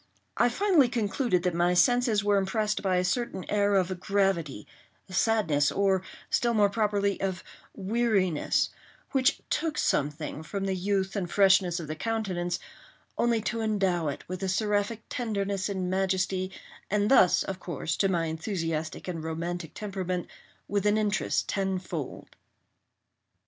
I finally concluded that my senses were impressed by a certain air of gravity, sadness, or, still more properly, of weariness, which took something from the youth and freshness of the countenance, only to endow it with a seraphic tenderness and majesty, and thus, of course, to my enthusiastic and romantic temperment, with an interest tenfold.